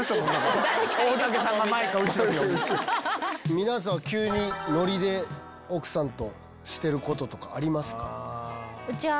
皆さんは急にノリで奥さんとしてることとかありますか？